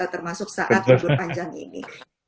termasuk saat libur panjang ini